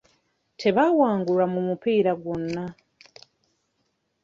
Tebaawangulwa mu mupiira gwonna.